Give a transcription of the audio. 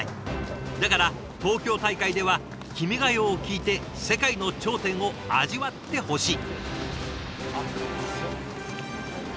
だから東京大会では「君が代」を聴いて世界の頂点を味わってほしい。